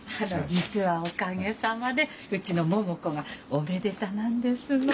実はおかげさまでうちの桃子がおめでたなんですの。